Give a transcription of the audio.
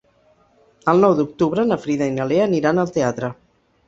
El nou d'octubre na Frida i na Lea aniran al teatre.